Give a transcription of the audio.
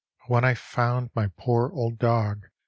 But when I found my poor old dog.